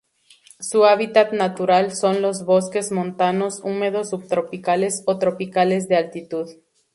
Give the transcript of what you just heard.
Su hábitat natural son los bosques montanos húmedos subtropicales o tropicales de altitud.